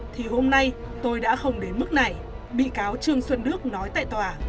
thì hôm nay tôi đã không đến mức này bị cáo trương xuân đức nói tại tòa